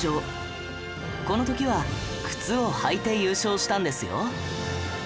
この時は靴を履いて優勝したんですよ